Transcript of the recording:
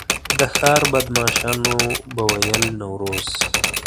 د ښار بدمعاشانو به ویل نوروز.